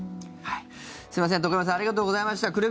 すいません、徳山さんありがとうございました。